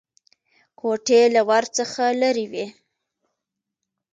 کوټې له ور څخه لرې وې.